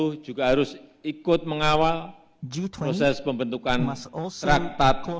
g dua puluh juga harus ikut mengawal proses pembentukan traktat pandemi